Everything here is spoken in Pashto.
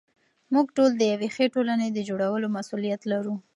موږ ټول د یوې ښې ټولنې د جوړولو مسوولیت لرو.